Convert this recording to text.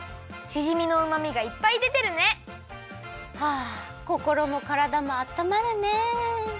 しじみのうまみがいっぱいでてるね！はあこころもからだもあったまるね。